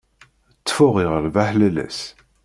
Ttfuh iɣleb aḥlalas.